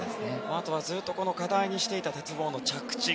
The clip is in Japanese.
あとはずっと課題にしていた鉄棒の着地。